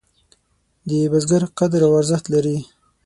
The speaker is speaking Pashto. د بزګر کار قدر او ارزښت لري.